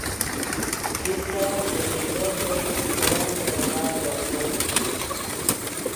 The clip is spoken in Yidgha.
کیستہ کہ تیزڤدیت نے ون سے دیبال روسے